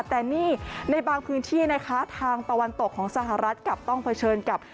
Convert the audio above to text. แต่นี่ในบางพื้นที่นะคะทางตะวันตกของสหรัฐกลับต้องเผชิญกับ